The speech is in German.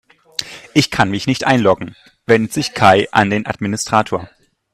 "Ich kann mich nicht einloggen", wendet sich Kai an den Administrator.